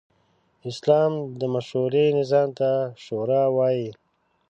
اسلام د مشورې نظام ته “شورا” وايي.